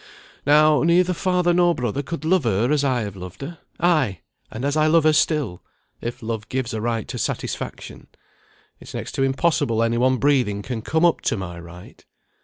Now, neither father nor brother could love her as I have loved her, ay, and as I love her still; if love gives a right to satisfaction, it's next to impossible any one breathing can come up to my right.